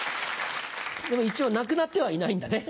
でも一応なくなってはいないんだね。